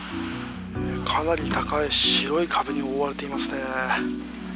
かなり高い白い壁に覆われていますね。